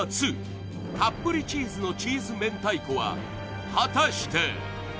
たっぷりチーズのチーズ明太子は果たして？